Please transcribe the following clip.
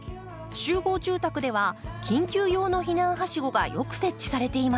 集合住宅では緊急用の避難はしごがよく設置されています。